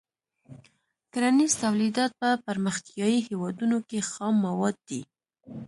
کرنیز تولیدات په پرمختیايي هېوادونو کې خام مواد دي.